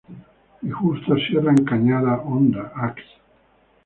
Y Justo Sierra en Cañada Honda, Ags.